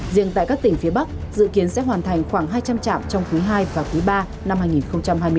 riêng tại các tỉnh phía bắc dự kiến sẽ hoàn thành khoảng hai trăm linh trạm trong cuối hai và cuối ba năm hai nghìn hai mươi hai